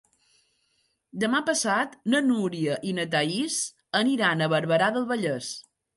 Demà passat na Núria i na Thaís aniran a Barberà del Vallès.